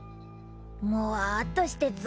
もわっとしてっぞ。